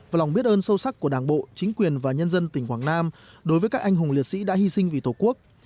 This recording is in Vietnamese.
và lòng biết ơn sâu sắc của đảng bộ chính quyền và nhân dân tỉnh quảng nam đối với các anh hùng liệt sĩ đã hy sinh vì tổ quốc